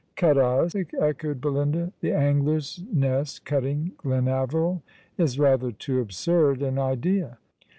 " Cut us !" echoed Belinda ;" the Angler's Nest cutting Glenaveril is rather too absurd an idea."